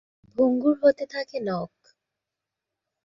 ভঙ্গুর হতে থাকে নখ।